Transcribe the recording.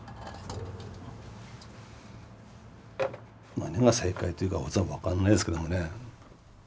何が正解というか分かんないですけどね。